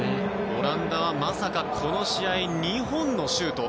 オランダはまさかこの試合２本のシュート。